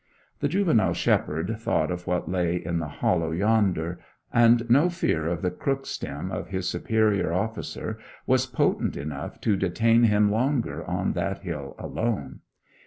The juvenile shepherd thought of what lay in the hollow yonder; and no fear of the crook stem of his superior officer was potent enough to detain him longer on that hill alone.